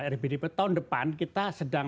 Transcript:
rbdp tahun depan kita sedang